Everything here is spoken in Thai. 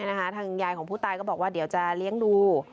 ทางยายของผู้ตายก็บอกว่าเดี๋ยวจะเลี้ยงดู